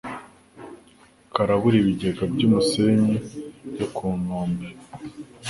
karabura ibigega by'umusenyi byo ku nkombe .